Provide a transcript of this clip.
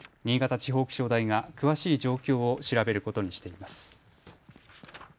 地方気象台が詳しい状況を調べることにしています。